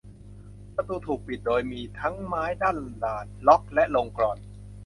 ประตูถูกปิดโดยมีทั้งไม้ลั่นดาล ล็อค และลงกลอน